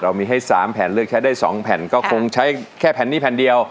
มีให้๓แผ่นเลือกใช้ได้๒แผ่นก็คงใช้แค่แผ่นนี้แผ่นเดียว